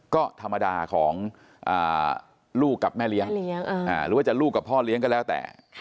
ก็ธรรมดาของลูกกับแม่เลี้ยงหรือว่าจะลูกกับพ่อเลี้ยงก็แล้วแต่